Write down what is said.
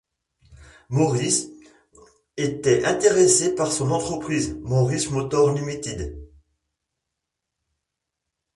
Morris était intéressé pour son entreprise, Morris Motors Limited.